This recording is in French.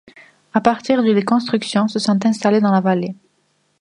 À partir du les constructions se sont installées dans la vallée.